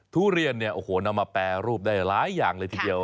ทุเรียนเนี่ยโอ้โหนำมาแปรรูปได้หลายอย่างเลยทีเดียว